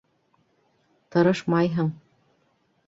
Тырышмайһың...